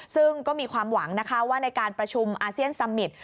ซึ่งก็มีความหวังนะคะว่าในการประชุมอาเซียนสมิตร